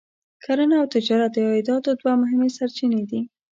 کرنه او تجارت د عایداتو دوه مهمې سرچینې دي.